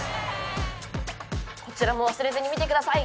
こちらもわすれずに見てください！